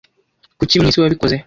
Kuki mwisi wabikoze?